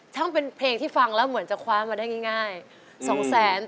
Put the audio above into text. มันเป็นเพลงที่ฟังแล้วเหมือนจะคว้ามาได้ง่าย๒แสน